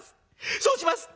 そうします。